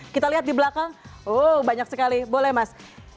kita lihat di belakang oh banyak sekali boleh mas